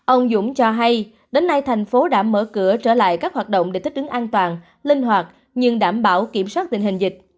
ông dũng cho hay đến nay thành phố đã mở cửa trở lại các hoạt động để thích ứng an toàn linh hoạt nhưng đảm bảo kiểm soát tình hình dịch